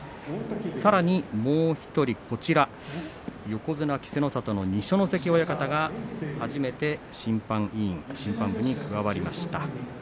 さらにもう１人横綱稀勢の里、二所ノ関親方が初めて審判部に加わりました。